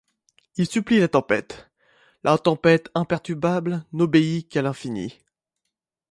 Il supplie la tempête; la tempête imperturbable n'obéit qu'à l'infini.